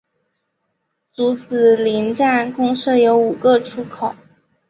竹子林站共设有五个出口。